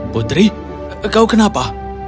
putri kau kenapa